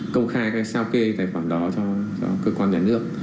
công khai cái sao kê tài khoản đó cho cơ quan nhà nước